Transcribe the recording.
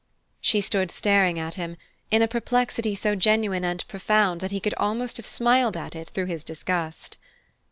She stood staring at him, in a perplexity so genuine and profound that he could almost have smiled at it through his disgust.